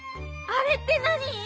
「あれ」ってなに⁉はい。